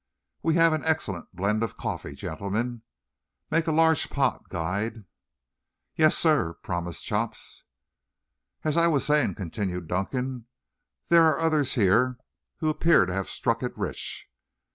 We have an excellent blend of coffee, gentlemen. Make a large pot, guide." "Yassir," promised Chops. "As I was saying," continued Dunkan, "there are others here who appear to have struck it rich.